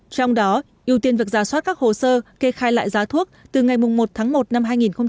trong đó ưu tiên việc giả soát các hồ sơ kê khai lại giá thuốc từ ngày một tháng một năm hai nghìn hai mươi